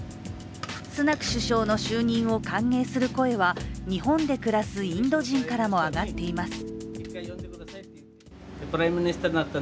スナク首相の就任を歓迎する声は日本で暮らすインド人からも上がっています。